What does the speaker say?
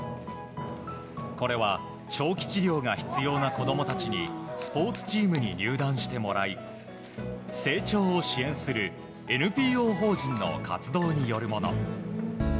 これは長期治療が必要な子供たちにスポーツチームに入団してもらい成長を支援するＮＰＯ法人の活動によるもの。